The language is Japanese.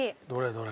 どれ？